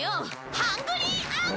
ハングリーアングリー！